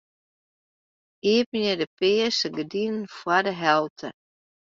Iepenje de pearse gerdinen foar de helte.